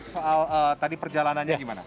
soal tadi perjalanannya gimana